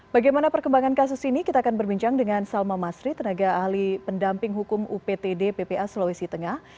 bagaimana perkembangan kasus ini kita akan berbincang dengan salma masri tenaga ahli pendamping hukum uptd ppa sulawesi tengah